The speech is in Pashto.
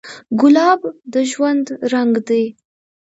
ګلاب د ژوند رنګ دی.